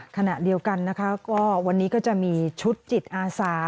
ขณะเดียวกันนะคะก็วันนี้ก็จะมีชุดจิตอาสา